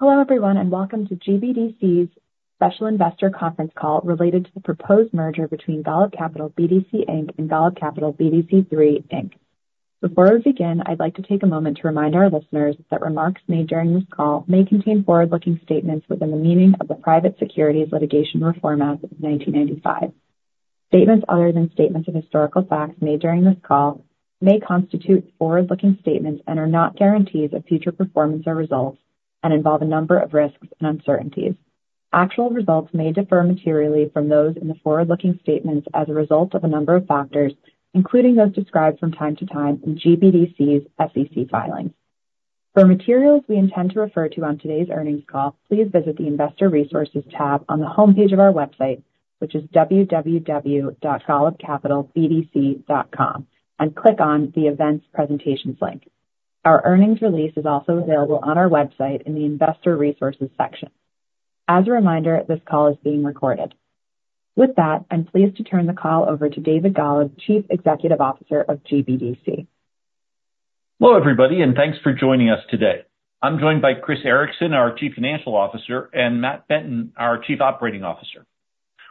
Hello, everyone, and welcome to GBDC's special Investor conference call related to the proposed merger between Golub Capital BDC, Inc. and Golub Capital BDC 3, Inc. Before we begin, I'd like to take a moment to remind our listeners that remarks made during this call may contain forward-looking statements within the meaning of the Private Securities Litigation Reform Act of 1995. Statements other than statements of historical facts made during this call may constitute forward-looking statements and are not guarantees of future performance or results and involve a number of risks and uncertainties. Actual results may differ materially from those in the forward-looking statements as a result of a number of factors, including those described from time to time in GBDC's SEC filings. For materials we intend to refer to on today's earnings call, please visit the Investor Resources tab on the homepage of our website, which is www.golubcapitalbdc.com, and click on the Events Presentations link. Our earnings release is also available on our website in the Investor Resources section. As a reminder, this call is being recorded. With that, I'm pleased to turn the call over to David Golub, Chief Executive Officer of GBDC. Hello, everybody, and thanks for joining us today. I'm joined by Chris Ericson, our Chief Financial Officer, and Matt Benton, our Chief Operating Officer.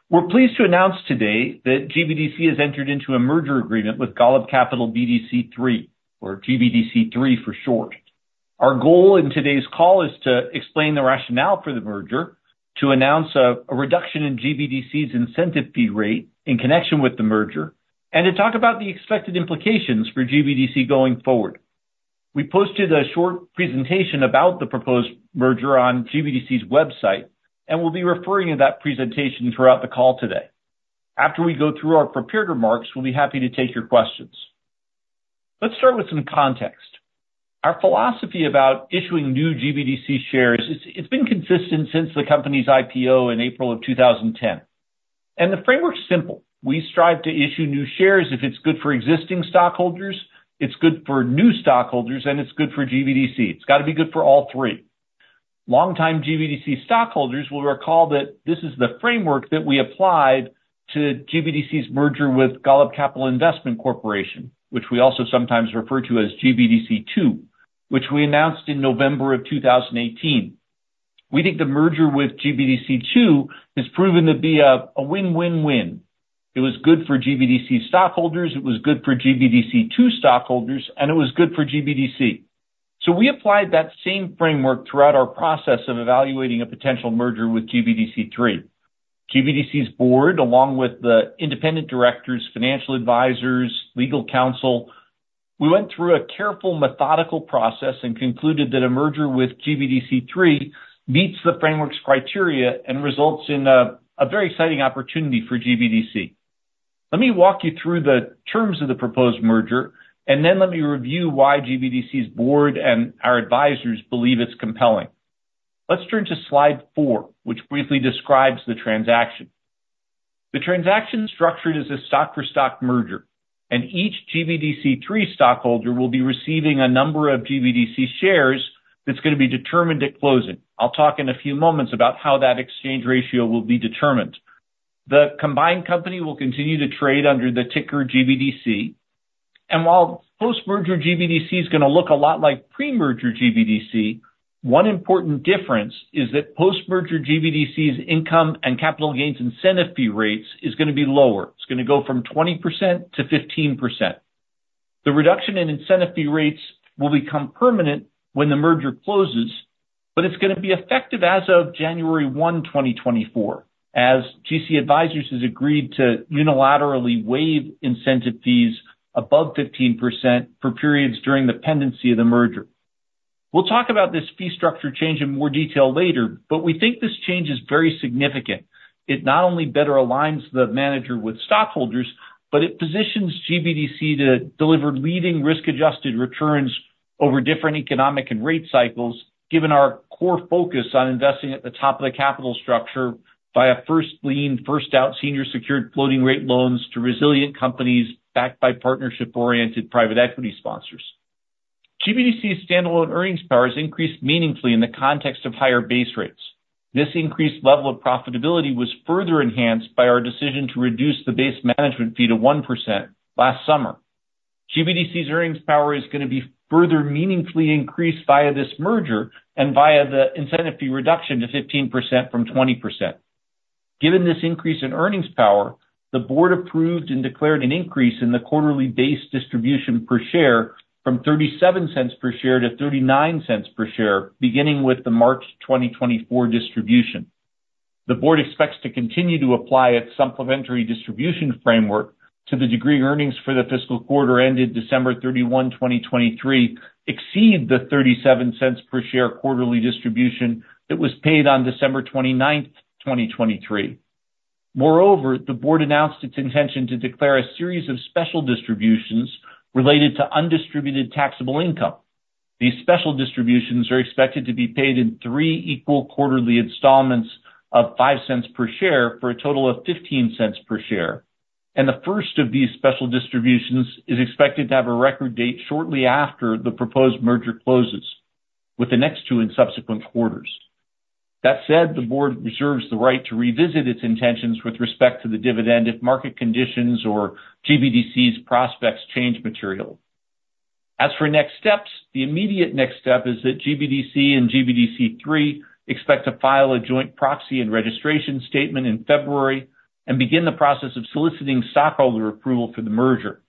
We're pleased to announce today that GBDC has entered into a merger agreement with Golub Capital BDC 3, or GBDC 3 for short. Our goal in today's call is to explain the rationale for the merger, to announce a reduction in GBDC's incentive fee rate in connection with the merger, and to talk about the expected implications for GBDC going forward. We posted a short presentation about the proposed merger on GBDC's website, and we'll be referring to that presentation throughout the call today. After we go through our prepared remarks, we'll be happy to take your questions. Let's start with some context. Our philosophy about issuing new GBDC shares, it's been consistent since the company's IPO in April 2010. The framework's simple: We strive to issue new shares if it's good for existing stockholders, it's good for new stockholders, and it's good for GBDC. It's gotta be good for all three. Longtime GBDC stockholders will recall that this is the framework that we applied to GBDC's merger with Golub Capital Investment Corporation, which we also sometimes refer to as GBDC 2, which we announced in November 2018. We think the merger with GBDC 2 has proven to be a win-win-win. It was good for GBDC stockholders, it was good for GBDC 2 stockholders, and it was good for GBDC. So we applied that same framework throughout our process of evaluating a potential merger with GBDC 3. GBDC's board, along with the Independent Directors, Financial Advisors, Legal Counsel, we went through a careful, methodical process and concluded that a merger with GBDC 3 meets the framework's criteria and results in a very exciting opportunity for GBDC. Let me walk you through the terms of the proposed merger, and then let me review why GBDC's Board and our Advisors believe it's compelling. Let's turn to slide four, which briefly describes the transaction. The transaction is structured as a stock-for-stock merger, and each GBDC 3 stockholder will be receiving a number of GBDC shares that's gonna be determined at closing. I'll talk in a few moments about how that exchange ratio will be determined. The combined company will continue to trade under the ticker GBDC, and while post-merger GBDC is gonna look a lot like pre-merger GBDC, one important difference is that post-merger GBDC's income and capital gains incentive fee rates is gonna be lower. It's gonna go from 20% to 15%. The reduction in incentive fee rates will become permanent when the merger closes, but it's gonna be effective as of January 1, 2024, as GC Advisors has agreed to unilaterally waive incentive fees above 15% for periods during the pendency of the merger. We'll talk about this fee structure change in more detail later, but we think this change is very significant. It not only better aligns the manager with stockholders, but it positions GBDC to deliver leading risk-adjusted returns over different economic and rate cycles, given our core focus on investing at the top of the capital structure via first lien, first out senior secured floating-rate loans to resilient companies backed by partnership-oriented private equity sponsors. GBDC's standalone earnings power has increased meaningfully in the context of higher base rates. This increased level of profitability was further enhanced by our decision to reduce the base management fee to 1% last summer. GBDC's earnings power is gonna be further meaningfully increased via this merger and via the incentive fee reduction to 15% from 20%. Given this increase in earnings power, the board approved and declared an increase in the quarterly base distribution per share from $0.37 per share to $0.39 per share, beginning with the March 2024 distribution. The board expects to continue to apply its supplementary distribution framework to the degree earnings for the fiscal quarter ended December 31, 2023, exceed the $0.37 per share quarterly distribution that was paid on December 29, 2023. Moreover, the board announced its intention to declare a series of special distributions related to undistributed taxable income. These special distributions are expected to be paid in three equal quarterly installments of $0.05 per share for a total of $0.15 per share. The first of these special distributions is expected to have a record date shortly after the proposed merger closes, with the next two in subsequent quarters. That said, the board reserves the right to revisit its intentions with respect to the dividend if market conditions or GBDC's prospects change materially. As for next steps, the immediate next step is that GBDC and GBDC 3 expect to file a joint proxy and registration statement in February and begin the process of soliciting stockholder approval for the merger.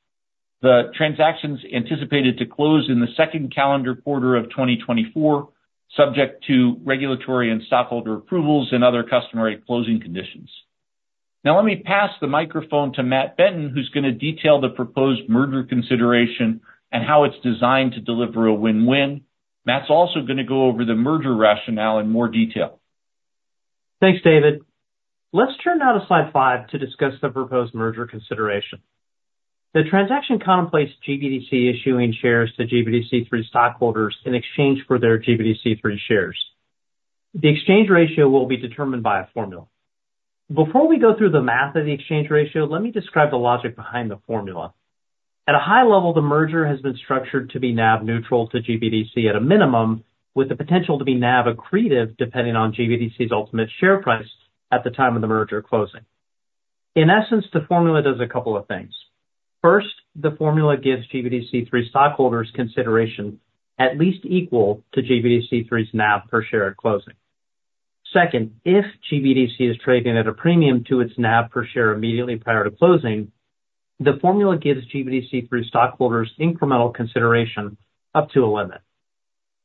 The transaction's anticipated to close in the second calendar quarter of 2024, subject to regulatory and stockholder approvals and other customary closing conditions. Now let me pass the microphone to Matt Benton, who's gonna detail the proposed merger consideration and how it's designed to deliver a win-win. Matt's also gonna go over the merger rationale in more detail. Thanks, David. Let's turn now to slide five to discuss the proposed merger consideration. The transaction contemplates GBDC issuing shares to GBDC 3 stockholders in exchange for their GBDC 3 shares. The exchange ratio will be determined by a formula. Before we go through the math of the exchange ratio, let me describe the logic behind the formula. At a high level, the merger has been structured to be NAV neutral to GBDC at a minimum, with the potential to be NAV accretive, depending on GBDC's ultimate share price at the time of the merger closing. In essence, the formula does a couple of things. First, the formula gives GBDC 3 stockholders consideration at least equal to GBDC 3's NAV per share at closing. Second, if GBDC is trading at a premium to its NAV per share immediately prior to closing, the formula gives GBDC 3 stockholders incremental consideration up to a limit.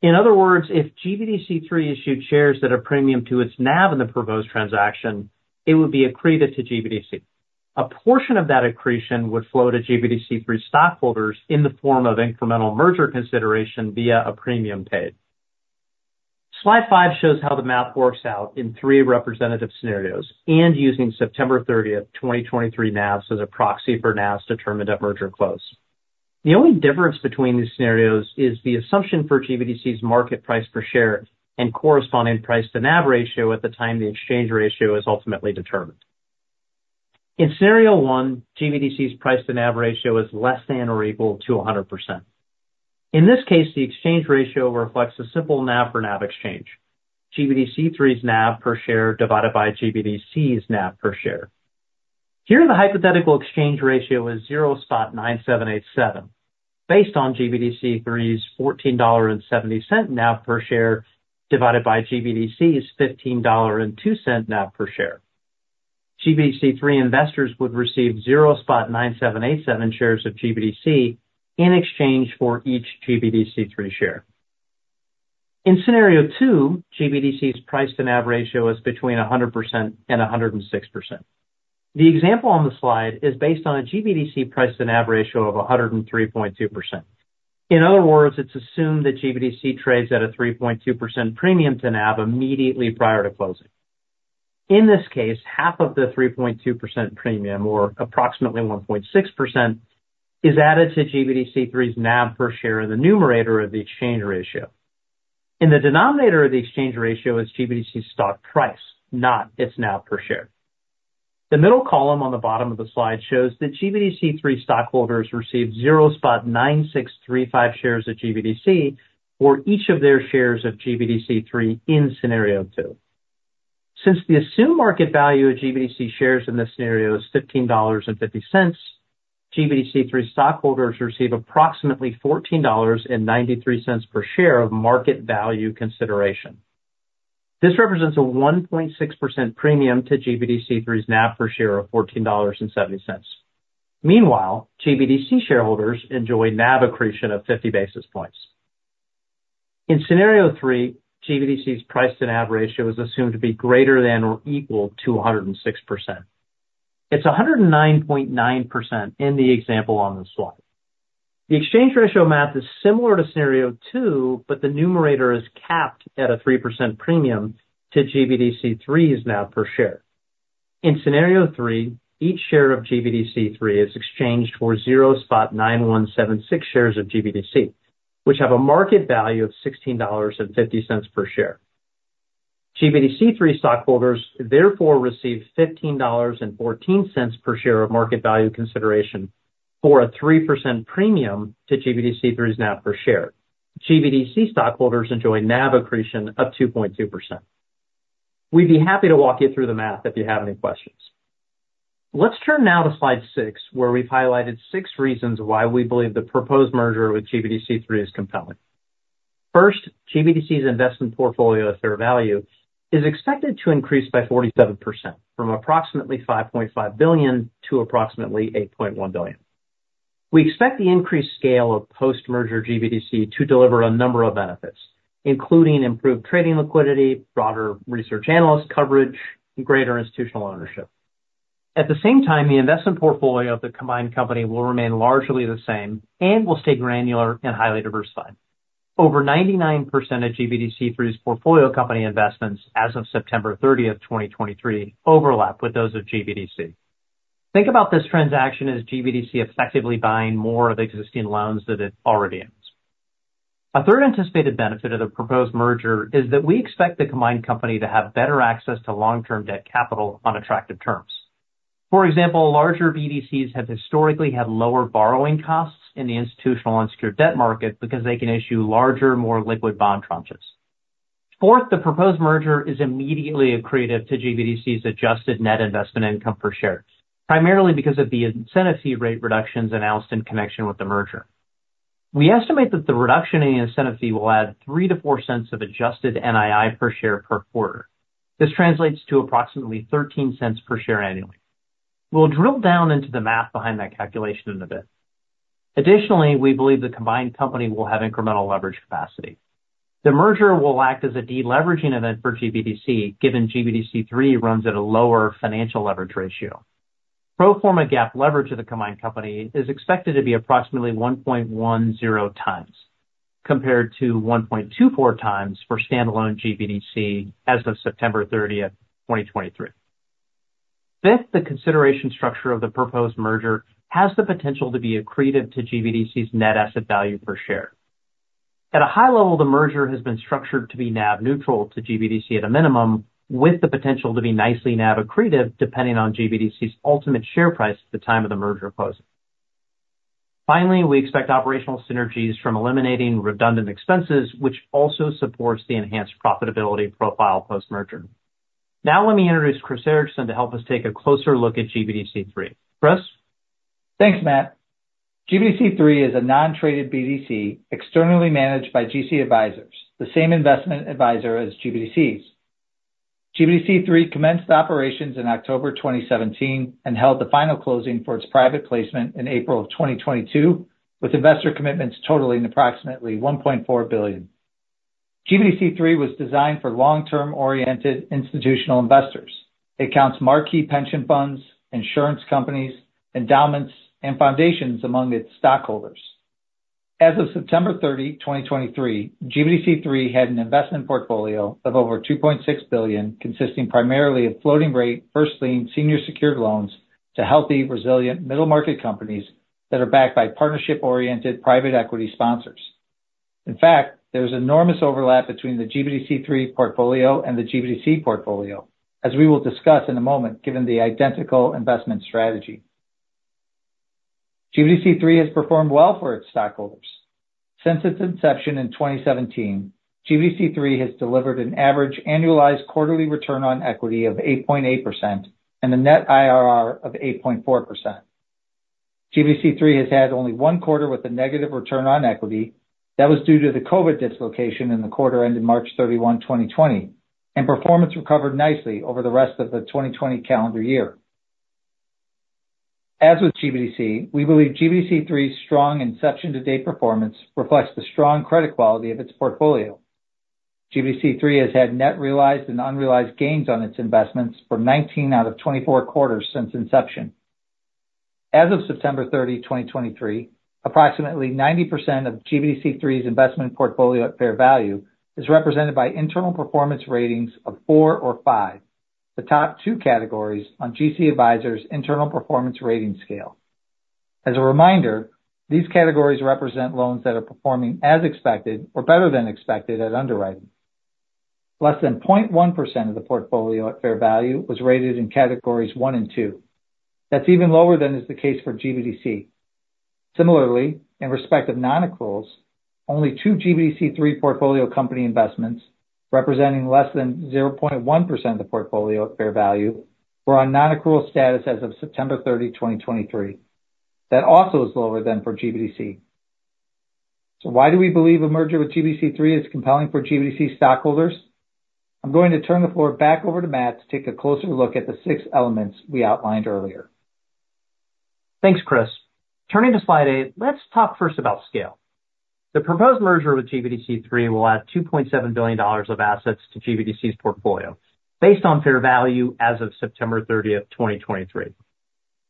In other words, if GBDC 3 issued shares that are premium to its NAV in the proposed transaction, it would be accretive to GBDC. A portion of that accretion would flow to GBDC 3 stockholders in the form of incremental merger consideration via a premium paid. Slide five shows how the math works out in three representative scenarios, and using September 30, 2023, NAV as a proxy for NAV as determined at merger close. The only difference between these scenarios is the assumption for GBDC's market price per share and corresponding price to NAV ratio at the time the exchange ratio is ultimately determined. In scenario one, GBDC's price to NAV ratio is less than or equal to 100%. In this case, the exchange ratio reflects a simple NAV for NAV exchange. GBDC 3's NAV per share divided by GBDC's NAV per share. Here, the hypothetical exchange ratio is 0.9787. Based on GBDC 3's $14.70 NAV per share, divided by GBDC's $15.02 NAV per share. GBDC 3 investors would receive 0.9787 shares of GBDC in exchange for each GBDC 3 share. In scenario two, GBDC's price to NAV ratio is between 100% and 106%. The example on the slide is based on a GBDC price to NAV ratio of 103.2%. In other words, it's assumed that GBDC trades at a 3.2% premium to NAV immediately prior to closing. In this case, half of the 3.2% premium, or approximately 1.6%, is added to GBDC 3's NAV per share in the numerator of the exchange ratio. In the denominator of the exchange ratio is GBDC's stock price, not its NAV per share. The middle column on the bottom of the slide shows that GBDC 3 stockholders received 0.9635 shares of GBDC for each of their shares of GBDC 3 in scenario two. Since the assumed market value of GBDC shares in this scenario is $15.50, GBDC 3 stockholders receive approximately $14.93 per share of market value consideration. This represents a 1.6% premium to GBDC 3's NAV per share of $14.70. Meanwhile, GBDC shareholders enjoy NAV accretion of 50 basis points. In scenario three, GBDC's price to NAV ratio is assumed to be greater than or equal to 100%. It's 109.9% in the example on the slide. The exchange ratio math is similar to scenario two, but the numerator is capped at a 3% premium to GBDC 3's NAV per share. In scenario three, each share of GBDC 3 is exchanged for 0.9176 shares of GBDC, which have a market value of $16.50 per share. GBDC 3 stockholders therefore receive $15.14 per share of market value consideration, for a 3% premium to GBDC 3's NAV per share. GBDC stockholders enjoy NAV accretion of 2.2%. We'd be happy to walk you through the math if you have any questions. Let's turn now to slide 6, where we've highlighted 6 reasons why we believe the proposed merger with GBDC 3 is compelling. First, GBDC's investment portfolio at fair value is expected to increase by 47%, from approximately $5.5 billion to approximately $8.1 billion. We expect the increased scale of post-merger GBDC to deliver a number of benefits, including improved trading liquidity, broader research analyst coverage, and greater institutional ownership. At the same time, the investment portfolio of the combined company will remain largely the same and will stay granular and highly diversified. Over 99% of GBDC 3's portfolio company investments as of September 30, 2023, overlap with those of GBDC. Think about this transaction as GBDC effectively buying more of the existing loans that it already owns. A third anticipated benefit of the proposed merger is that we expect the combined company to have better access to long-term debt capital on attractive terms. For example, larger BDCs have historically had lower borrowing costs in the institutional unsecured debt market because they can issue larger, more liquid bond tranches. Fourth, the proposed merger is immediately accretive to GBDC's adjusted net investment income per share, primarily because of the incentive fee rate reductions announced in connection with the merger. We estimate that the reduction in the incentive fee will add $0.03-$0.04 of adjusted NII per share per quarter. This translates to approximately $0.13 per share annually. We'll drill down into the math behind that calculation in a bit. Additionally, we believe the combined company will have incremental leverage capacity. The merger will act as a deleveraging event for GBDC, given GBDC 3 runs at a lower financial leverage ratio. Pro forma gap leverage of the combined company is expected to be approximately 1.10x, compared to 1.24x for standalone GBDC as of September 30, 2023. Fifth, the consideration structure of the proposed merger has the potential to be accretive to GBDC's net asset value per share. At a high level, the merger has been structured to be NAV neutral to GBDC at a minimum, with the potential to be nicely NAV accretive, depending on GBDC's ultimate share price at the time of the merger closing. Finally, we expect operational synergies from eliminating redundant expenses, which also supports the enhanced profitability profile post-merger. Now let me introduce Chris Ericson to help us take a closer look at GBDC 3. Chris? Thanks, Matt. GBDC 3 is a non-traded BDC, externally managed by GC Advisors, the same investment advisor as GBDC's. GBDC 3 commenced operations in October 2017, and held the final closing for its private placement in April 2022, with investor commitments totaling approximately $1.4 billion. GBDC 3 was designed for long-term oriented institutional investors. It counts marquee pension funds, insurance companies, endowments, and foundations among its stockholders. As of September 30, 2023, GBDC 3 had an investment portfolio of over $2.6 billion, consisting primarily of floating rate first lien senior secured loans to healthy, resilient middle market companies that are backed by partnership-oriented private equity sponsors. In fact, there's enormous overlap between the GBDC 3 portfolio and the GBDC portfolio, as we will discuss in a moment, given the identical investment strategy. GBDC 3 has performed well for its stockholders. Since its inception in 2017, GBDC 3 has delivered an average annualized quarterly return on equity of 8.8% and a net IRR of 8.4%. GBDC 3 has had only 1 quarter with a negative return on equity. That was due to the COVID dislocation in the quarter ended March 31, 2020, and performance recovered nicely over the rest of the 2020 calendar year. As with GBDC, we believe GBDC 3's strong inception-to-date performance reflects the strong credit quality of its portfolio. GBDC 3 has had net realized and unrealized gains on its investments for 19/24 quarters since inception. As of September 30, 2023, approximately 90% of GBDC 3's investment portfolio at fair value is represented by internal performance ratings of four or five, the top two categories on GC Advisors' internal performance rating scale. As a reminder, these categories represent loans that are performing as expected or better than expected at underwriting. Less than 0.1% of the portfolio at fair value was rated in categories one and two. That's even lower than is the case for GBDC. Similarly, in respect of non-accruals, only 2 GBDC 3 portfolio company investments, representing less than 0.1% of the portfolio at fair value, were on non-accrual status as of September 30, 2023. That also is lower than for GBDC. So why do we believe a merger with GBDC 3 is compelling for GBDC stockholders? I'm going to turn the floor back over to Matt to take a closer look at the six elements we outlined earlier. Thanks, Chris. Turning to slide eight, let's talk first about scale. The proposed merger with GBDC 3 will add $2.7 billion of assets to GBDC's portfolio, based on fair value as of September 30, 2023.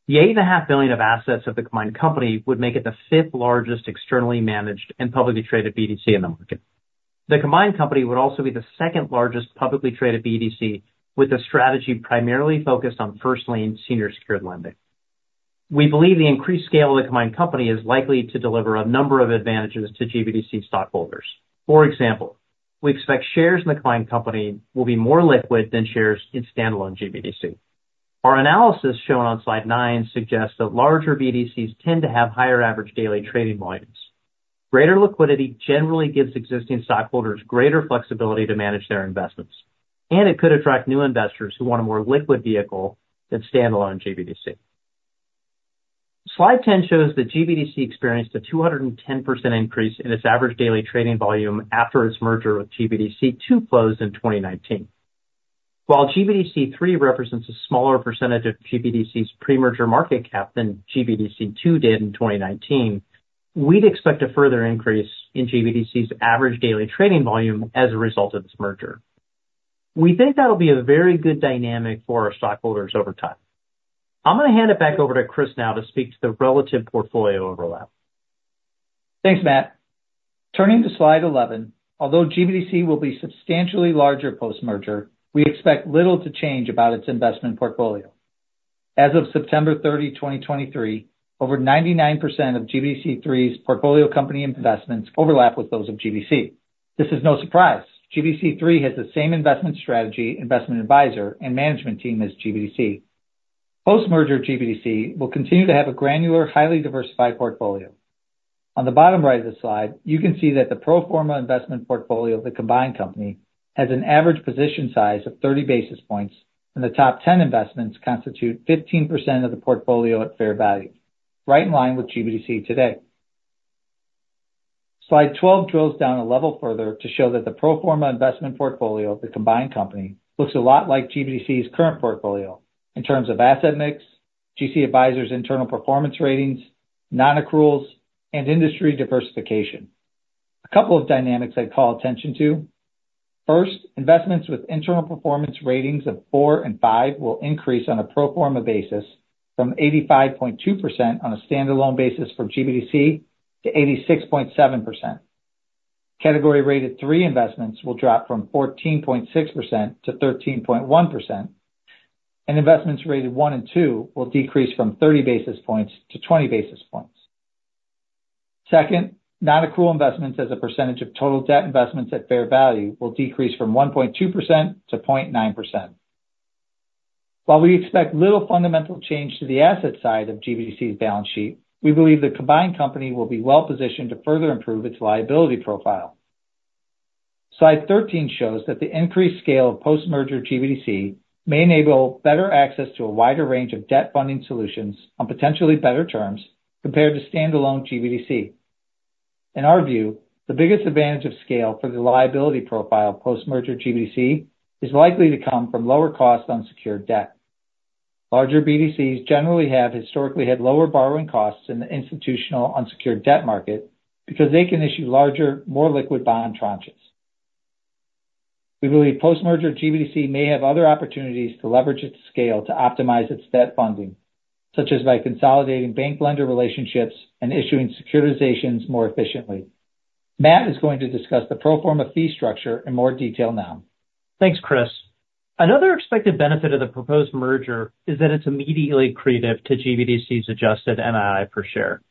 The $8.5 billion of assets of the combined company would make it the fifth largest externally managed and publicly traded BDC in the market. The combined company would also be the second largest publicly traded BDC, with a strategy primarily focused on first lien senior secured lending. We believe the increased scale of the combined company is likely to deliver a number of advantages to GBDC stockholders. For example, we expect shares in the combined company will be more liquid than shares in standalone GBDC. Our analysis, shown on slide nine, suggests that larger BDCs tend to have higher average daily trading volumes. Greater liquidity generally gives existing stockholders greater flexibility to manage their investments, and it could attract new investors who want a more liquid vehicle than standalone GBDC. Slide 10 shows that GBDC experienced a 210% increase in its average daily trading volume after its merger with GBDC 2 closed in 2019. While GBDC 3 represents a smaller percentage of GBDC's pre-merger market cap than GBDC 2 did in 2019, we'd expect a further increase in GBDC's average daily trading volume as a result of this merger. We think that'll be a very good dynamic for our stockholders over time. I'm gonna hand it back over to Chris now to speak to the relative portfolio overlap. Thanks, Matt. Turning to slide 11, although GBDC will be substantially larger post-merger, we expect little to change about its investment portfolio. As of September 30, 2023, over 99% of GBDC 3's portfolio company investments overlap with those of GBDC. This is no surprise. GBDC 3 has the same investment strategy, investment advisor, and management team as GBDC. Post-merger, GBDC will continue to have a granular, highly diversified portfolio. On the bottom right of the slide, you can see that the pro forma investment portfolio of the combined company has an average position size of 30 basis points, and the top 10 investments constitute 15% of the portfolio at fair value, right in line with GBDC today. Slide 12 drills down a level further to show that the pro forma investment portfolio of the combined company looks a lot like GBDC's current portfolio in terms of asset mix, GC Advisors' internal performance ratings, non-accruals, and industry diversification. A couple of dynamics I'd call attention to: first, investments with internal performance ratings of four and five will increase on a pro forma basis from 85.2% on a standalone basis for GBDC to 86.7%. Category rated three investments will drop from 14.6% to 13.1%, and investments rated one and two will decrease from 30 basis points to 20 basis points. Second, non-accrual investments as a percentage of total debt investments at fair value will decrease from 1.2% to 0.9%. While we expect little fundamental change to the asset side of GBDC's balance sheet, we believe the combined company will be well-positioned to further improve its liability profile. Slide 13 shows that the increased scale of post-merger GBDC may enable better access to a wider range of debt funding solutions on potentially better terms compared to standalone GBDC. In our view, the biggest advantage of scale for the liability profile post-merger GBDC is likely to come from lower costs on secured debt. Larger BDCs generally have historically had lower borrowing costs in the institutional unsecured debt market because they can issue larger, more liquid bond tranches. We believe post-merger, GBDC may have other opportunities to leverage its scale to optimize its debt funding, such as by consolidating bank lender relationships and issuing securitizations more efficiently. Matt is going to discuss the pro forma fee structure in more detail now. Thanks, Chris. Another expected benefit of the proposed merger is that it's immediately accretive to GBDC's adjusted NII per share.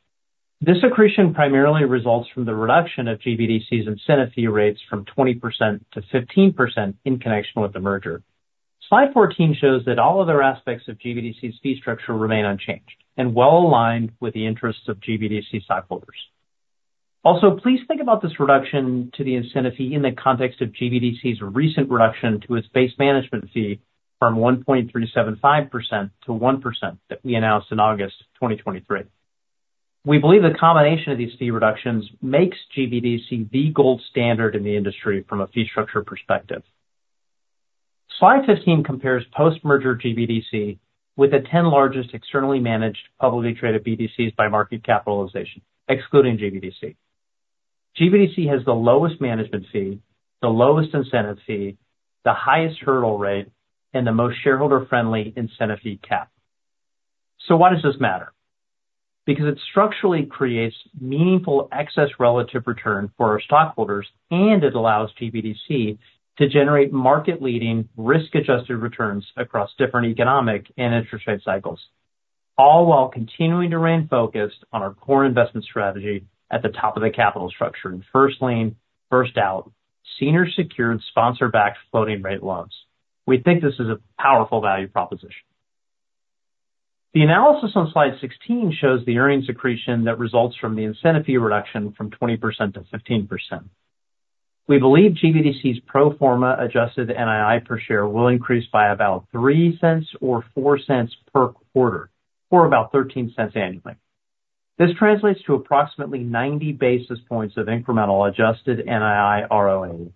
This accretion primarily results from the reduction of GBDC's incentive fee rates from 20% to 15% in connection with the merger. Slide 14 shows that all other aspects of GBDC's fee structure remain unchanged and well aligned with the interests of GBDC stockholders. Also, please think about this reduction to the incentive fee in the context of GBDC's recent reduction to its base management fee from 1.375% to 1% that we announced in August 2023. We believe the combination of these fee reductions makes GBDC the gold standard in the industry from a fee structure perspective. Slide 15 compares post-merger GBDC with the 10 largest externally managed, publicly traded BDCs by market capitalization, excluding GBDC. GBDC has the lowest management fee, the lowest incentive fee, the highest hurdle rate, and the most shareholder-friendly incentive fee cap. So why does this matter? Because it structurally creates meaningful excess relative return for our stockholders, and it allows GBDC to generate market-leading, risk-adjusted returns across different economic and interest rate cycles, all while continuing to remain focused on our core investment strategy at the top of the capital structure. In first lien, first out, senior secured, sponsor-backed floating rate loans. We think this is a powerful value proposition. The analysis on slide 16 shows the earnings accretion that results from the incentive fee reduction from 20% to 15%. We believe GBDC's pro forma adjusted NII per share will increase by about $0.03 or $0.04 per quarter, or about $0.13 annually. This translates to approximately 90 basis points of incremental adjusted NII ROE.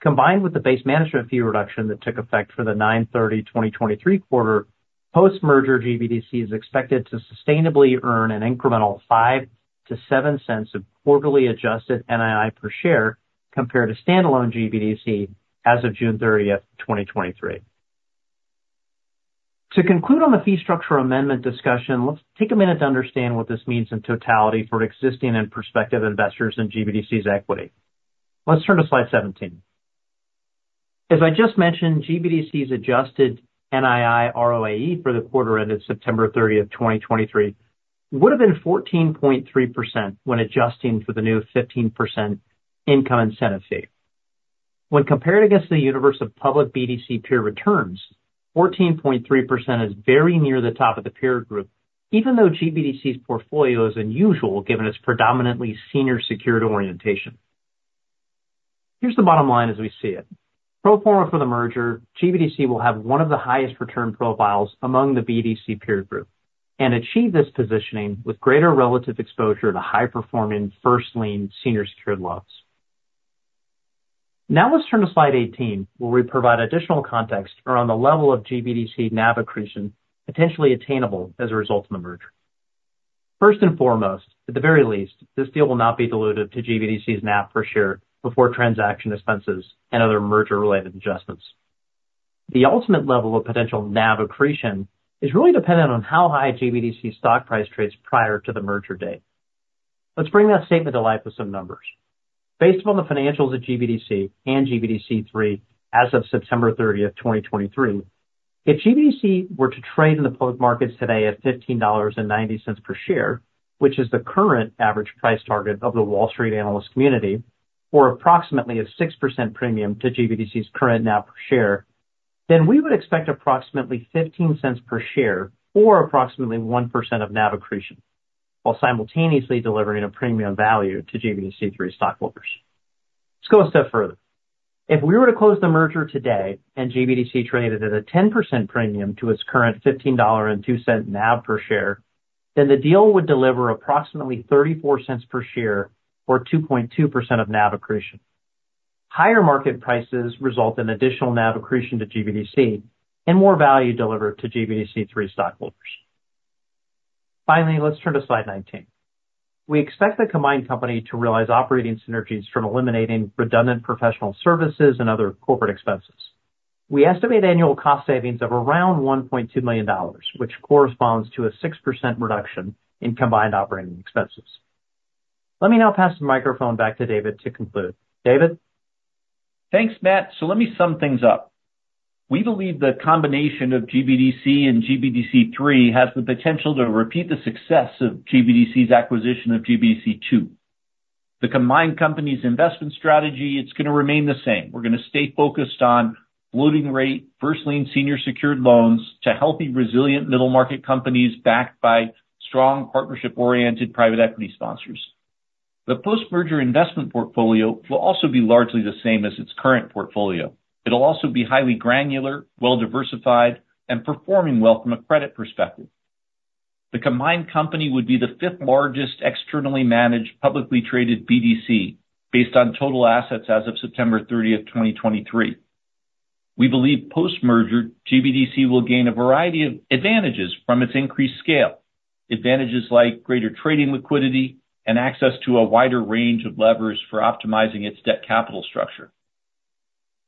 Combined with the base management fee reduction that took effect for the 9/30/2023 quarter, post-merger GBDC is expected to sustainably earn an incremental $0.05-$0.07 of quarterly adjusted NII per share, compared to standalone GBDC as of June 30, 2023. To conclude on the fee structure amendment discussion, let's take a minute to understand what this means in totality for existing and prospective investors in GBDC's equity. Let's turn to slide 17. As I just mentioned, GBDC's adjusted NII ROAE for the quarter ended September 30, 2023, would have been 14.3% when adjusting for the new 15% income incentive fee. When compared against the universe of public BDC peer returns, 14.3% is very near the top of the peer group, even though GBDC's portfolio is unusual, given its predominantly senior secured orientation. Here's the bottom line as we see it. Pro forma for the merger, GBDC will have one of the highest return profiles among the BDC peer group and achieve this positioning with greater relative exposure to high-performing first lien senior secured loans. Now, let's turn to slide 18, where we provide additional context around the level of GBDC NAV accretion potentially attainable as a result of the merger. First and foremost, at the very least, this deal will not be dilutive to GBDC's NAV per share before transaction expenses and other merger-related adjustments. The ultimate level of potential NAV accretion is really dependent on how high GBDC's stock price trades prior to the merger date. Let's bring that statement to life with some numbers. Based on the financials of GBDC and GBDC 3 as of September 30, 2023. If GBDC were to trade in the public markets today at $15.90 per share, which is the current average price target of the Wall Street analyst community, or approximately a 6% premium to GBDC's current NAV per share, then we would expect approximately $0.15 per share or approximately 1% of NAV accretion, while simultaneously delivering a premium value to GBDC 3 stockholders. Let's go a step further. If we were to close the merger today and GBDC traded at a 10% premium to its current $15.02 NAV per share, then the deal would deliver approximately $0.34 per share or 2.2% of NAV accretion. Higher market prices result in additional NAV accretion to GBDC and more value delivered to GBDC 3 stockholders. Finally, let's turn to slide 19. We expect the combined company to realize operating synergies from eliminating redundant professional services and other corporate expenses. We estimate annual cost savings of around $1.2 million, which corresponds to a 6% reduction in combined operating expenses. Let me now pass the microphone back to David to conclude. David? Thanks, Matt. So let me sum things up. We believe the combination of GBDC and GBDC 3 has the potential to repeat the success of GBDC's acquisition of GBDC 2. The combined company's investment strategy, it's gonna remain the same. We're gonna stay focused on floating rate, first lien, senior secured loans to healthy, resilient middle-market companies backed by strong partnership-oriented private equity sponsors. The post-merger investment portfolio will also be largely the same as its current portfolio. It'll also be highly granular, well-diversified, and performing well from a credit perspective. The combined company would be the fifth largest externally managed, publicly traded BDC based on total assets as of September 30, 2023. We believe post-merger, GBDC will gain a variety of advantages from its increased scale. Advantages like greater trading liquidity and access to a wider range of levers for optimizing its debt capital structure.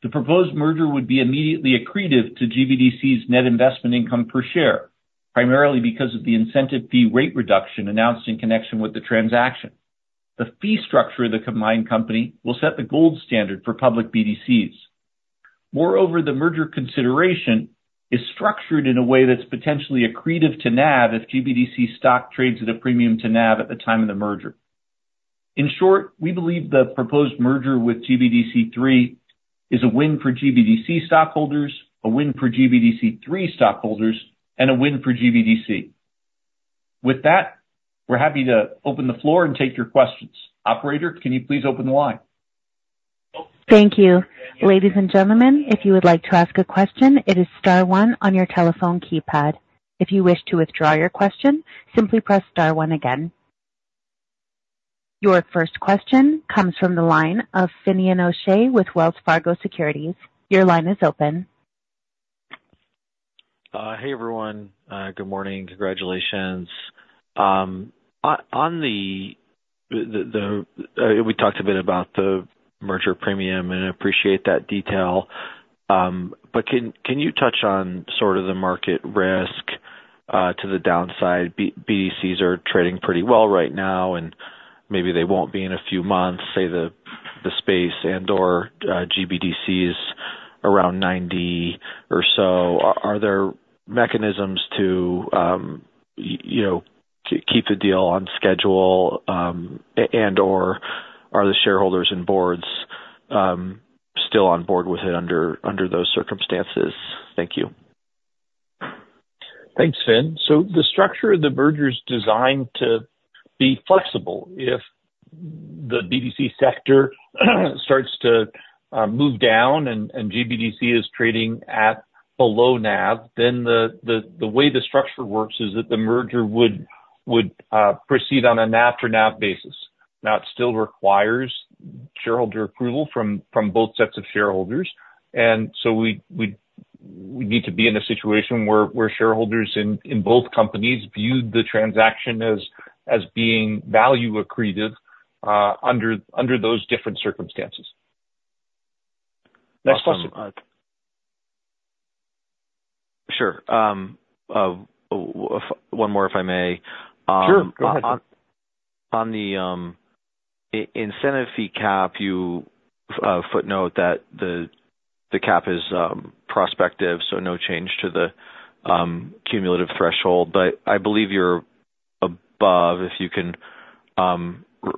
The proposed merger would be immediately accretive to GBDC's net investment income per share, primarily because of the incentive fee rate reduction announced in connection with the transaction. The fee structure of the combined company will set the gold standard for public BDCs. Moreover, the merger consideration is structured in a way that's potentially accretive to NAV if GBDC stock trades at a premium to NAV at the time of the merger. In short, we believe the proposed merger with GBDC 3 is a win for GBDC stockholders, a win for GBDC 3 stockholders, and a win for GBDC. With that, we're happy to open the floor and take your questions. Operator, can you please open the line? Thank you. Ladies and gentlemen, if you would like to ask a question, it is star one on your telephone keypad. If you wish to withdraw your question, simply press star one again. Your first question comes from the line of Finian O'Shea with Wells Fargo Securities. Your line is open. Hey, everyone. Good morning. Congratulations. We talked a bit about the merger premium, and I appreciate that detail. But can you touch on sort of the market risk to the downside? BDCs are trading pretty well right now, and maybe they won't be in a few months, say, the space and/or GBDC is around $90 or so. Are there mechanisms to, you know, keep the deal on schedule, and/or are the shareholders and boards still on board with it under those circumstances? Thank you. Thanks, Finn. So the structure of the merger is designed to be flexible. If the BDC sector starts to move down and GBDC is trading at below NAV, then the way the structure works is that the merger would proceed on a NAV for NAV basis. Now, it still requires shareholder approval from both sets of shareholders, and so we'd need to be in a situation where shareholders in both companies view the transaction as being value accretive under those different circumstances. Next question. Awesome. Sure. One more, if I may. Sure, go ahead. On the incentive fee cap, you footnote that the cap is prospective, so no change to the cumulative threshold, but I believe you're above. If you can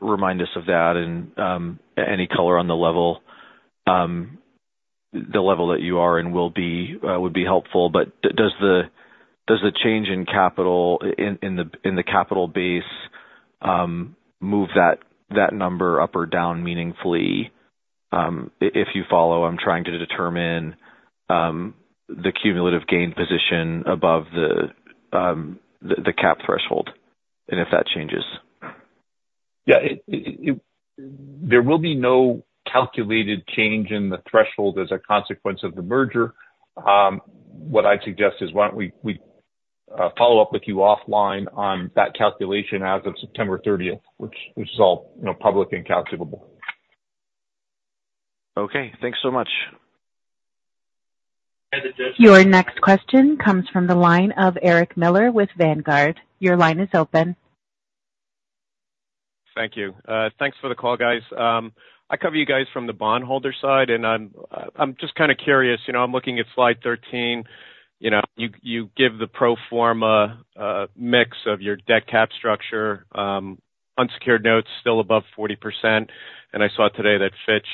remind us of that and any color on the level, the level that you are and will be would be helpful. But does the change in the capital base move that number up or down meaningfully? If you follow, I'm trying to determine the cumulative gain position above the the cap threshold, and if that changes. Yeah, there will be no calculated change in the threshold as a consequence of the merger. What I'd suggest is why don't we follow up with you offline on that calculation as of September thirtieth, which is all, you know, public and calculable. Okay. Thanks so much. Your next question comes from the line of Erik Miller with Vanguard. Your line is open. Thank you. Thanks for the call, guys. I cover you guys from the bondholder side, and I'm just kind of curious, you know, I'm looking at slide 13. You know, you give the pro forma mix of your debt cap structure. Unsecured notes still above 40%, and I saw today that Fitch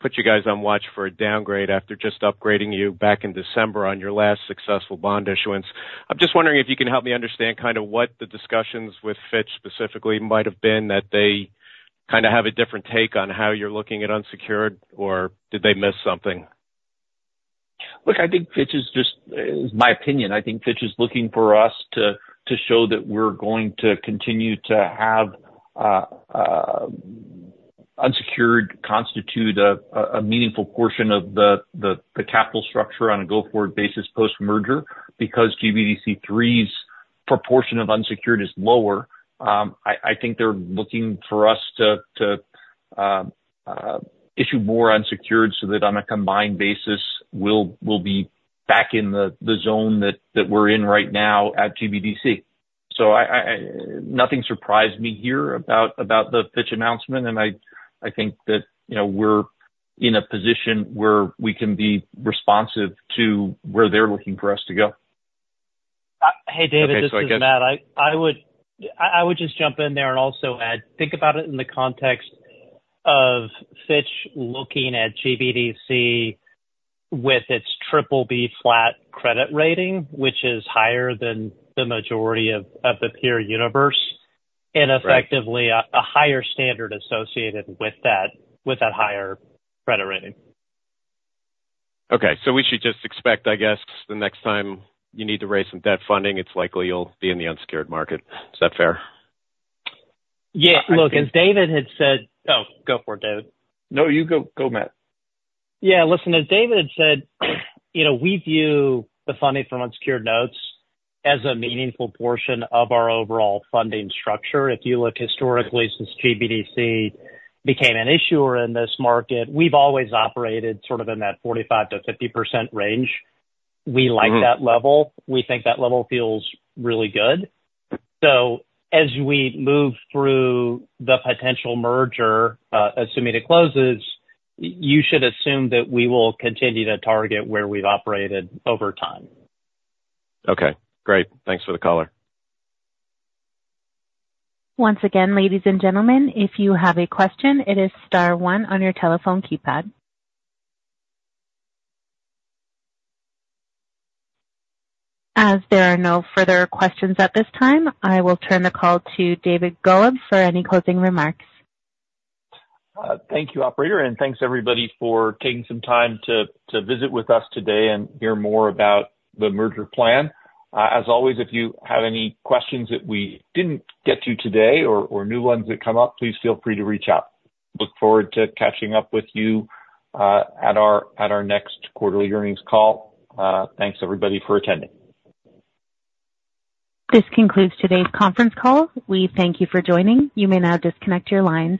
put you guys on watch for a downgrade after just upgrading you back in December on your last successful bond issuance. I'm just wondering if you can help me understand kind of what the discussions with Fitch specifically might have been, that they kind of have a different take on how you're looking at unsecured, or did they miss something? Look, I think Fitch is just my opinion, I think Fitch is looking for us to show that we're going to continue to have unsecured constitute a meaningful portion of the capital structure on a go-forward basis post-merger. Because GBDC 3's proportion of unsecured is lower, I think they're looking for us to issue more unsecured, so that on a combined basis, we'll be back in the zone that we're in right now at GBDC. So nothing surprised me here about the Fitch announcement, and I think that, you know, we're in a position where we can be responsive to where they're looking for us to go. Hey, David, this is Matt. I would just jump in there and also add, think about it in the context of Fitch looking at GBDC with its triple B flat credit rating, which is higher than the majority of the peer universe. Right. Effectively, a higher standard associated with that, with that higher credit rating. Okay, so we should just expect, I guess, the next time you need to raise some debt funding, it's likely you'll be in the unsecured market. Is that fair? Yeah. Look, as David had said... Oh, go for it, David. No, you go. Go, Matt. Yeah, listen, as David had said, you know, we view the funding from unsecured notes as a meaningful portion of our overall funding structure. If you look historically since GBDC became an issuer in this market, we've always operated sort of in that 45%-50% range. Mm-hmm. We like that level. We think that level feels really good. So as we move through the potential merger, assuming it closes, you should assume that we will continue to target where we've operated over time. Okay, great. Thanks for the color. Once again, ladies and gentlemen, if you have a question, it is star one on your telephone keypad. As there are no further questions at this time, I will turn the call to David Golub for any closing remarks. Thank you, operator, and thanks, everybody, for taking some time to visit with us today and hear more about the merger plan. As always, if you have any questions that we didn't get to today or new ones that come up, please feel free to reach out. Look forward to catching up with you at our next quarterly earnings call. Thanks, everybody, for attending. This concludes today's conference call. We thank you for joining. You may now disconnect your lines.